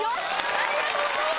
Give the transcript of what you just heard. ありがとうございます！